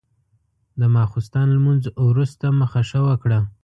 د ماسخوتن لمونځ وروسته مخه ښه وکړه.